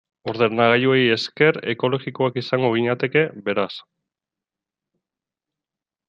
Ordenagailuei esker, ekologikoagoak izango ginateke, beraz.